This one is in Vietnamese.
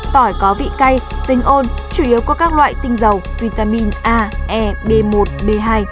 tỏi có vị cay tinh ôn chủ yếu có các loại tinh dầu vitamin ae b một b hai